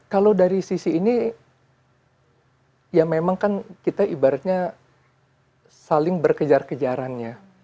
kalau dari sisi ini ya memang kan kita ibaratnya saling berkejar kejarannya